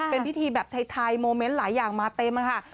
เป็นพิธีแบบไทยโมเมนต์หลายอย่างมาเต็มค่ะ